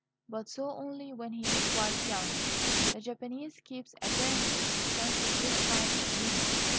But so only when he is quite young. The Japanese keeps, apparently, his sense of this kind of humour.